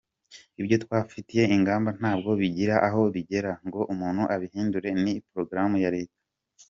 Ibyo twafatiye ingamba ntabwo bigira aho bigera ngo umuntu abihindure, ni porogaramu ya leta.”